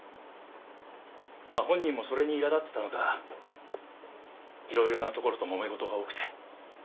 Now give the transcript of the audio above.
まあ本人もそれにいら立ってたのかいろいろな所ともめ事が多くて。